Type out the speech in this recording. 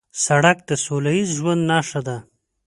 سړک د سولهییز ژوند نښه ده.